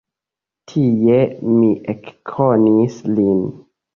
Tie mi ekkonis lin.